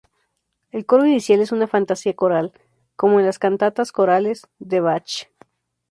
El coro inicial es una fantasía coral, como en las cantatas corales de Bach.